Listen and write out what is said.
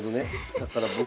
だから僕は。